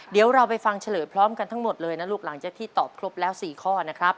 เดี๋ยวเราไปฟังเฉลยพร้อมกันทั้งหมดเลยนะลูกหลังจากที่ตอบครบแล้ว๔ข้อนะครับ